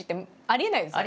ありえないです。